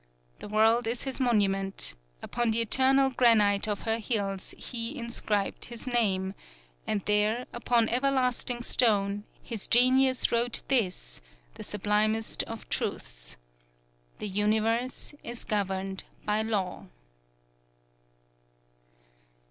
"The world is his monument; upon the eternal granite of her hills he inscribed his name, and there, upon everlasting stone, his genius wrote this, the sublimest of truths: The universe is governed by law."